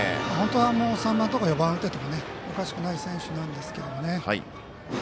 本当は３番とか４番を打っててもおかしくない選手なんですけどね。